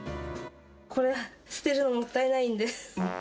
これ、捨てるのもったいないんで。